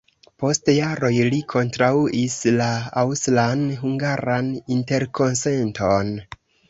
Post jaroj li kontraŭis la Aŭstran-hungaran interkonsenton.